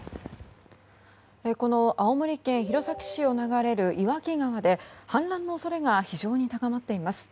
この青森県弘前市を流れる岩木川で氾濫の恐れが非常に高まっています。